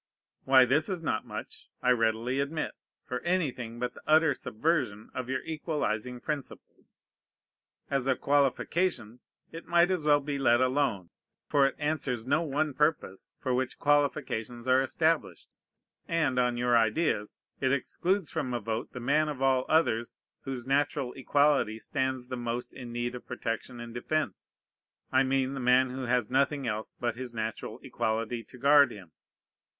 Why, this is not much, I readily admit, for anything but the utter subversion of your equalizing principle. As a qualification it might as well be let alone; for it answers no one purpose for which qualifications are established; and, on your ideas, it excludes from a vote the man of all others whose natural equality stands the most in need of protection and defence: I mean the man who has nothing else but his natural equality to guard him.